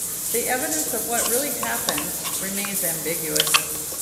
The evidence of what really happened remains ambiguous.